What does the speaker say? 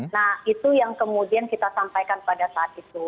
nah itu yang kemudian kita sampaikan pada saat itu